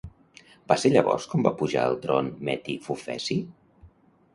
Va ser llavors quan va pujar al tron Meti Fufeci?